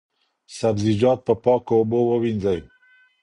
سبزیجات په پاکو اوبو ووینځئ.